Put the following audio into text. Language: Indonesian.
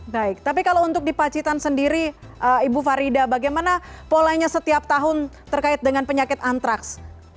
baik tapi kalau untuk di pacitan sendiri ibu farida bagaimana polanya setiap tahun terkait dengan penyakit antraks